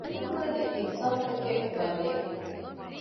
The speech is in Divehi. ދަންނަވަން ދަތި އިހުސާސްތަކެއް ވާ ރެއެއް